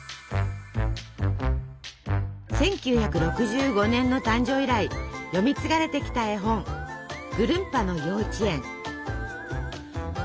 １９６５年の誕生以来読み継がれてきた絵本「ぐるんぱのようちえん」。